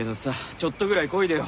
ちょっとぐらいこいでよ。